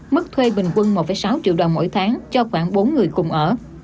mức thuê bình quân một sáu triệu đồng mỗi tháng cho khoảng bốn người cùng ở